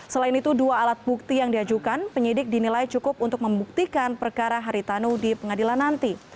selain itu dua alat bukti yang diajukan penyidik dinilai cukup untuk membuktikan perkara haritanu di pengadilan nanti